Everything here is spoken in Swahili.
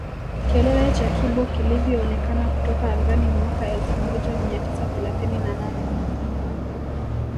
Kilele cha Kibo kilivyoonekana kutoka angani mwaka elfu moja mia tisa thelathini na nane